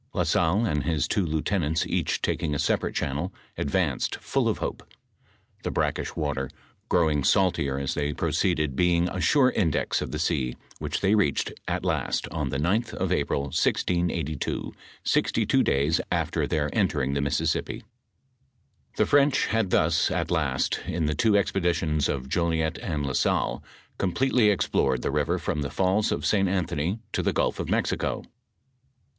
La Salle and his two lieuten ants, each taking a separate channel, advanced, full of hope; the brackish water, growing Salter as they proceeded, being a sure index of the sea, which they reached at last on the 9th of April, 1682, sixty two days after their entering the Missis sippi. The Fi'ench had thus, at last, in the two expeditions of Jolliet and La Salle, completely explored the nver from the falls of St. Anthony to the gulf of Mexico.